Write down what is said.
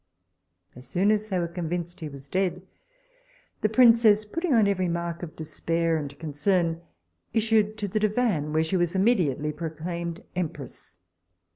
As soon as they were convinced he was dead, the princess, putting on every mark of despair and concern, issued to the divan, where she was immediately proclaimed empress.